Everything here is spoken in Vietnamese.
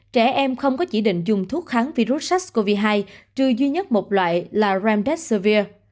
trẻ em không có chỉ định dùng thuốc kháng virus sars cov hai trừ duy nhất một loại là ramdeservir